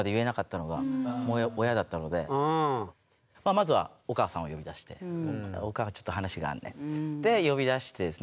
まずはお母さんを呼び出して「オカンちょっと話があんねん」って言って呼びだしてですね